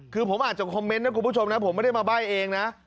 คือผมอาจจะคอมเมนต์นะคุณผู้ชมนะผมไม่ได้มาใบ้เองนะ